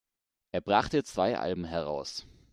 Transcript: Er brachte zwei Alben heraus.